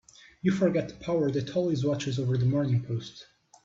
You forget the power that always watches over the Morning Post.